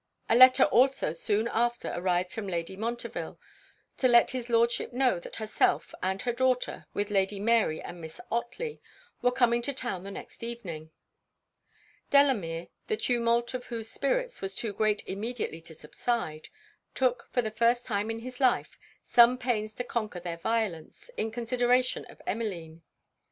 A letter also soon after arrived from Lady Montreville, to let his Lordship know that herself and her daughter, with Lady Mary and Miss Otley, were coming to town the next evening. Delamere, the tumult of whose spirits was too great immediately to subside, took, for the first time in his life, some pains to conquer their violence, in consideration of Emmeline.